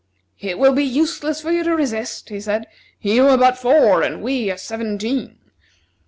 "It will be useless for you to resist," he said. "You are but four, and we are seventeen.